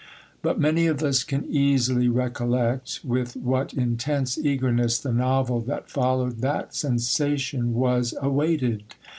But many of us can easily recollect with what intense eagerness the novel that followed that sensation was awaited.